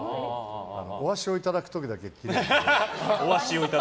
お足をいただく時だけ。